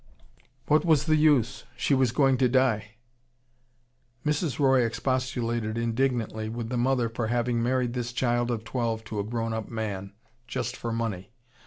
'What was the use? She was doing to die.' "Mrs. Roy expostulated indignantly with the mother for having married this child of twelve to a grown up man, just for money.